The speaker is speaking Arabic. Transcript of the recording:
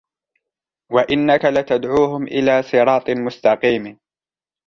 وَإِنَّكَ لَتَدْعُوهُمْ إِلَى صِرَاطٍ مُسْتَقِيمٍ